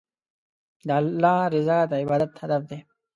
د الله رضا د عبادت هدف دی.